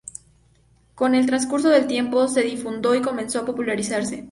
Con el transcurso del tiempo se difundió y comenzó a popularizarse.